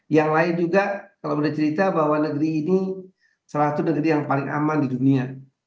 yang lain juga kalau boleh cerita bahwa negeri ini salah satu negeri yang paling aman di dunia